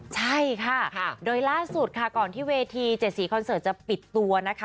ใช่ค่ะโดยล่าสุดค่ะก่อนที่เวที๗๔คอนเสิร์ตจะปิดตัวนะคะ